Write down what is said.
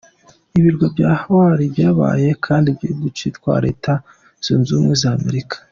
Ibirwa bya Hawaii byabaye kamwe mu duce twa Leta zunze ubumwe za Amerika.